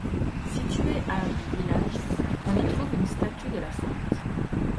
Située à du village, on y trouve une statue de la Sainte.